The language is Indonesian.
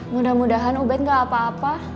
mudah mudahan ubed gak apa apa